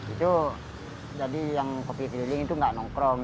itu jadi yang kopi pilih itu enggak nongkrong